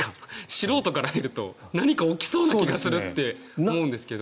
素人から見ると何か起きそうな気がするって思うんですけど。